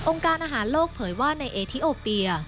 การอาหารโลกเผยว่าในเอทิโอเปีย